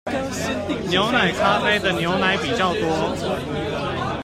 牛奶咖啡的牛奶比較多